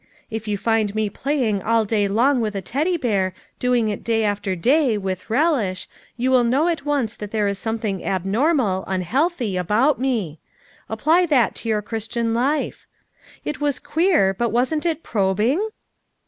If you find me playing all day long with a Teddy hear, doing it day after day, with relish, you will know at once that there is something abnormal, unhealthy, about me. Apply that to your Christian life.' It was queer, but wasn't it probing?"